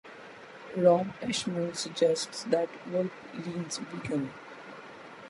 Rob Eshman suggests that Wolpe leans vegan.